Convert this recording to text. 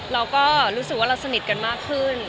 เราก็รู้สึกว่าเราสนิทกันมากขึ้น